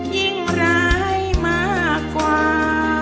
ยิ่งร้ายมากกว่า